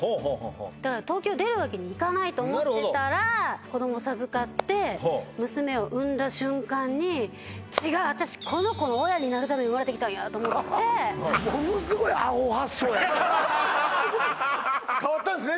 だから東京出るわけにいかないと思ってたら子どもを授かって娘を産んだ瞬間に違う私んやと思って変わったんですね